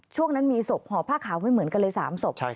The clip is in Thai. ช่วงนั้นมีศพห่อผ้าขาวไม่เหมือนกันเลย๓ศพ